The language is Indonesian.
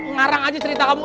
ngarang aja cerita kamu